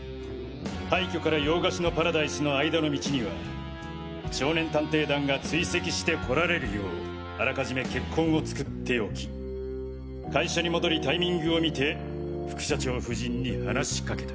廃墟から「洋菓子のパラダイス」の間の道には少年探偵団が追跡して来られるようあらかじめ血痕を作っておき会社に戻りタイミングを見て副社長夫人に話しかけた。